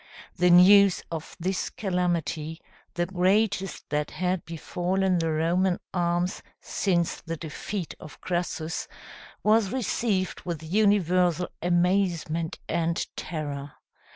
The news of this calamity, the greatest that had befallen the Roman arms since the defeat of Crassus, was received with universal amazement and terror.